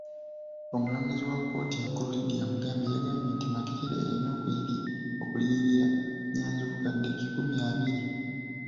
Omulamuzi wa kkooti enkulu Lydia Mugambe yagambye nti Makerere erina okuliyirira Nnyanzi obukadde kikumi abiri.